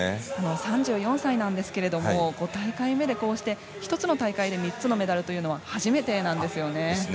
３４歳なんですけれども５大会目でこうして１つの大会で３つのメダルは初めてなんですよね。